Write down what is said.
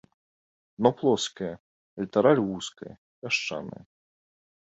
Дно плоскае, літараль вузкая, пясчаная.